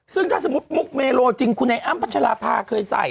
ซึ่งถ้าสมมุกเมโลจริงคุณแอ๊มพัชราภาเคยใส่